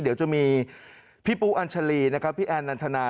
เดี๋ยวจะมีพี่ปุ๊อัญชารีพี่แอนด์นันทนา